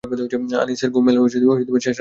আনিসের ঘুম এল শেষরাতের দিকে।